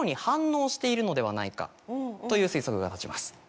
という推測が立ちます。